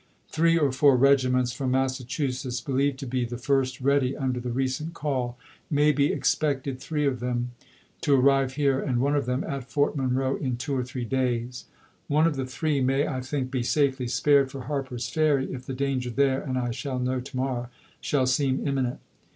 Three or four regiments from Massachusetts (believed to be the first ready under the recent call) may be expected (three of them) to arrive here, and (one of them) at Fort Monroe, in two or three days. One of the three may, I think, be safely spared for Harper's Ferry, if the danger there (and I shall know to morrow) shall seem imminent.